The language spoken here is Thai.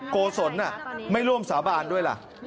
โกศลไม่ร่วมสาบานด้วยล่ะ